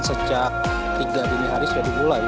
sejak tiga dini hari sudah dimulai